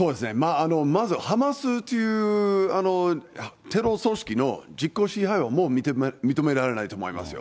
まずハマスというテロ組織の実効支配をもう認められないと思いますよ。